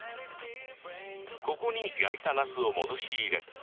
ここに焼いたなすを戻し入れ